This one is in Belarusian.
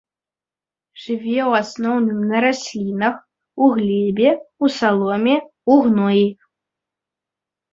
Жыве ў асноўным на раслінах, у глебе, у саломе, у гноі.